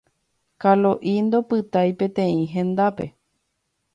Kalo'i ndopytái peteĩ hendápe.